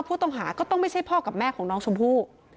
ผู้ต้องหาก็ต้องไม่ใช่พ่อกับแม่ของน้องชมพู่